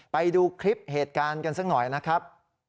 ไปดูคลิปเหตุการณ์กันสักหน่อยนะครับ